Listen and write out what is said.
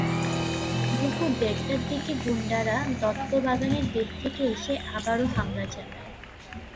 দুপুর দেড়টার দিকে গুন্ডারা দত্ত বাগানের দিক থেকে এসে আবারও হামলা চালায়।